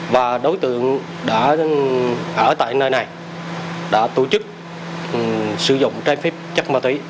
và đối tượng đã ở tại nơi này đã tổ chức sử dụng trái phép chất ma túy